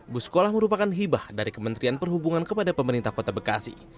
bus sekolah merupakan hibah dari kementerian perhubungan kepada pemerintah kota bekasi